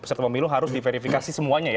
peserta pemilu harus diverifikasi semuanya ya